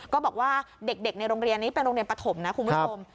ก็บอกว่าเด็กในโรงเรียนนี้เป็นโรงเรียนปฐมนะคุณผู้ชม